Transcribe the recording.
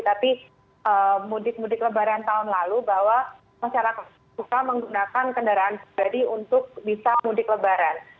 tapi mudik mudik lebaran tahun lalu bahwa masyarakat suka menggunakan kendaraan pribadi untuk bisa mudik lebaran